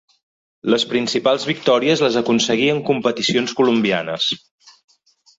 Les principals victòries les aconseguí en competicions colombianes.